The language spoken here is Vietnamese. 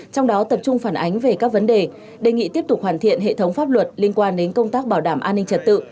trong đó tập trung phản ánh về các vấn đề đề nghị tiếp tục hoàn thiện hệ thống pháp luật liên quan đến công tác bảo đảm an ninh trật tự